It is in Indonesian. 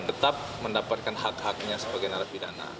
tetap mendapatkan hak haknya sebagai narapidana